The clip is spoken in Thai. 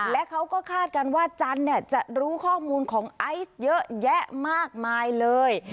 และเขาก็คาดกันว่าจันจะรู้ข้อมูลของไอซ์เยอะแยะมากมายเลย